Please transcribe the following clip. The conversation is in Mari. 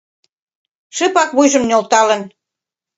Шыпак вуйжым нӧлталын